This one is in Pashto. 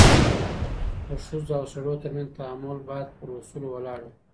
د ښځو او سړو ترمنځ تعامل بايد پر اصولو ولاړ وي.